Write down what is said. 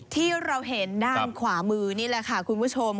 ที่เราเห็นด้านขวามือนี่แหละค่ะคุณผู้ชม